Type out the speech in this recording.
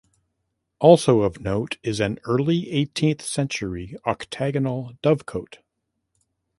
Also of note is an early eighteenth century octagonal dovecote.